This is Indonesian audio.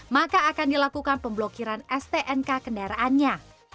maka akan dilakukan pemblokiran stnk kendaraannya